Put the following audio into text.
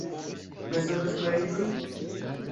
Bezonas klarigojn?